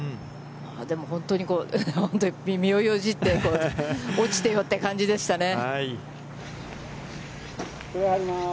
でも、本当にこう、本当に身をよじって落ちてよって感じでしたね。